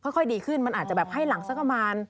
ค่อยดีขึ้นมันอาจจะแบบให้หลังสักประมาณ